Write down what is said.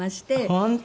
本当。